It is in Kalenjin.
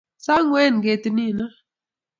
sangoen ketit nino